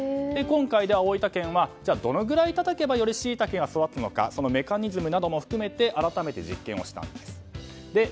今回、大分県はどれくらいたたけばシイタケが育つのかそのメカニズムなども含めて改めて実験をしたんです。